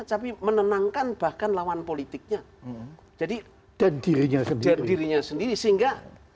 tapi menenangkan bahkan lawan politiknya jadi dan dirinya sendiri dirinya sendiri sehingga